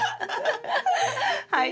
はい。